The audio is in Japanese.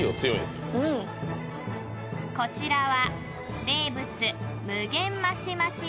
［こちらは］